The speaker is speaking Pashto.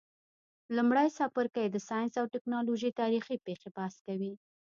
لمړی څپرکی د ساینس او تکنالوژۍ تاریخي پیښي بحث کوي.